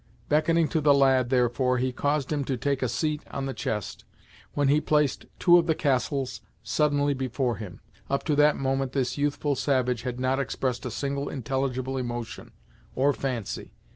Beckoning to the lad, therefore, he caused him to take a seat on the chest, when he placed two of the castles suddenly before him. Up to that moment, this youthful savage had not expressed a single intelligible emotion, or fancy.